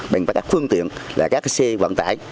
mình phải đặt phương tiện các xe vận tải